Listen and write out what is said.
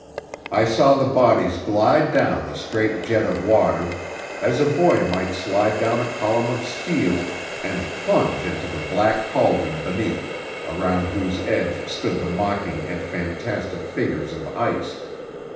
I saw the bodies glide down the straight jet of water, as a boy might slide down a column of steel, and plunge into the black cauldron beneath, around whose edge stood the mocking and fantastic figures of ice.